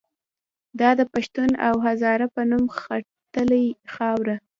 دا د پښتون او هزاره په نوم ختلې خاوره